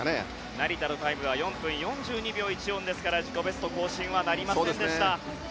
成田のタイムは４分４２秒１４でしたから自己ベスト更新はなりませんでした。